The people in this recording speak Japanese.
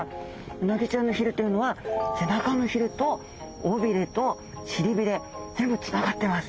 うなぎちゃんのひれというのは背中のひれと尾びれと臀びれ全部つながってます。